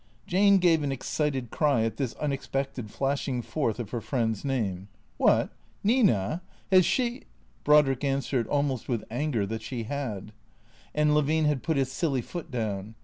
Jane gave an excited cry at this unexpected flashing forth of her friend's name. "What, Nina? Has she ?" 374 T H E C.E E A T 0 E S 375 Brodrick answered, almost with anger, that she had. And Levine had put his silly foot down.